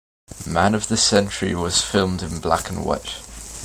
"Man of the Century" was filmed in black and white.